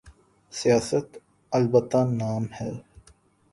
سیاست؛ البتہ نام ہے۔